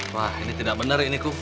wah ini tidak benar ini ku